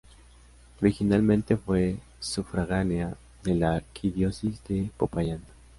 Originalmente fue sufragánea de la Arquidiócesis de Popayán.